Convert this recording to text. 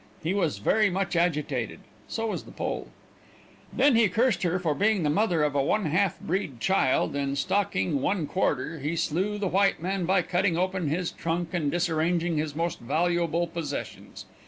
He was very much agitated. So was the pole. Then he cursed her for being the mother of a 1/2 breed child, and stalking 1/4 he slew the white man by cutting open his trunk and disarranging his most valuable possessions.